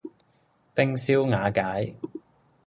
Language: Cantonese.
冰消瓦解